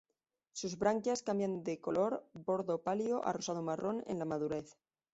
Sus branquias cambian de color bordó pálido a rosado-marrón en la madurez.